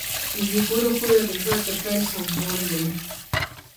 د زیږون خونه د ژوند د پیل سمبول دی.